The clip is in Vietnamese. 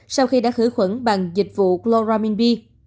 sau khi đã khử khuẩn bằng dịch vụ chloramin b